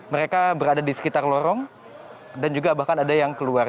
mereka berada di sekitar lorong dan juga bahkan ada yang keluar